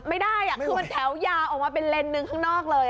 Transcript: ไม่ได้คือมันแถวยาวออกมาเป็นเลนส์หนึ่งข้างนอกเลย